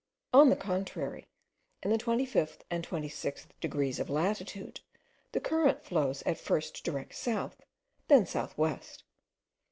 On the contrary, in the 25th and 26th degrees of latitude, the current flows at first direct south, and then south west.